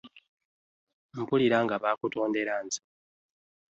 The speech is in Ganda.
Mpulira nga bakutondera nze .